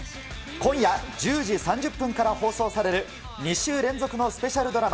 今夜１０時３０分から放送される２週連続のスペシャルドラマ。